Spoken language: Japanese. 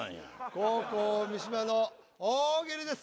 後攻三島の大喜利です。